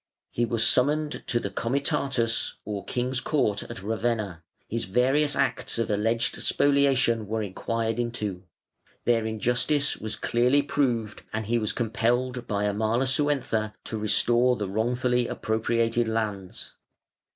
He was summoned to the Comitatus or King's Court, at Ravenna; his various acts of alleged spoliation were inquired into; their injustice was clearly proved, and he was compelled by Amalasuentha to restore the wrongfully appropriated lands.